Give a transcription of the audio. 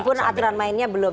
meskipun aturan mainnya belum